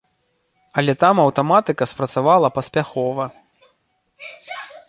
Але там аўтаматыка спрацавала паспяхова.